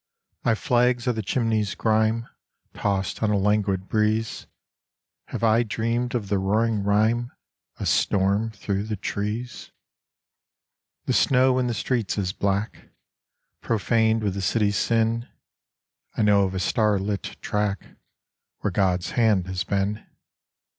My flags are the chimneys' grime, Tossed on a languid breeze. Have I dreamed of the roaring rhyme, A storm through the trees? The snow in the streets is black, Profaned with the city's sin; I know of a star lit track Where God's hand has been.